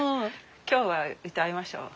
今日は歌いましょう。